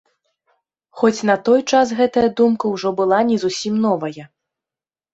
Хоць на той час гэтая думка ўжо была не зусім новая.